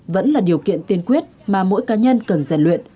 vẫn là điều kiện tiên quyết mà mỗi cá nhân cần rèn luyện